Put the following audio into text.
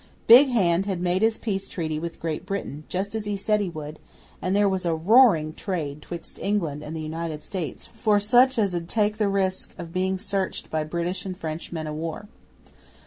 Big Hand had made his peace treaty with Great Britain, just as he said he would, and there was a roaring trade 'twixt England and the United States for such as 'ud take the risk of being searched by British and French men o' war.